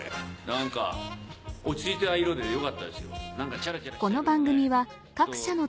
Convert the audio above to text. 何か落ち着いた色でよかったですよ。